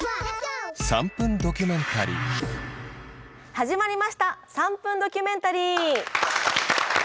始まりました「３分ドキュメンタリー」！